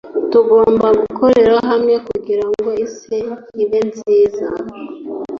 tugomba gukorera hamwe kugirango isi ibe nziza